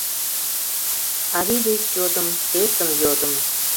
Авий деч йодым, чесым йодым —